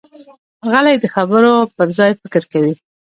غلی، د خبرو پر ځای فکر کوي.